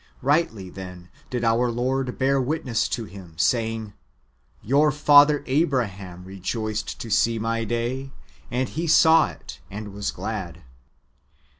Rightly, then, did our Lord bear witness to him, saying, " Your father Abraham rejoiced to see my day ; and he saw it, and was glad."